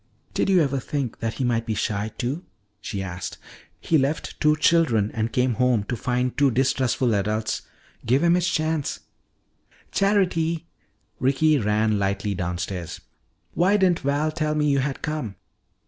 "Did you ever think that he might be shy, too?" she asked. "He left two children and came home to find two distrustful adults. Give him his chance " "Charity!" Ricky ran lightly downstairs. "Why didn't Val tell me you had come?"